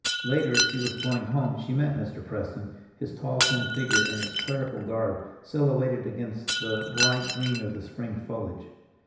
Later, as she was going home, she met Mr. Preston, his tall, thin figure in its clerical garb silhouetted against the bright green of the spring foliage.